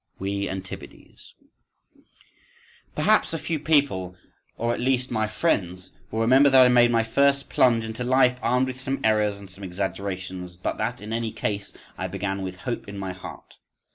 … We Antipodes. Perhaps a few people, or at least my friends, will remember that I made my first plunge into life armed with some errors and some exaggerations, but that, in any case, I began with hope in my heart.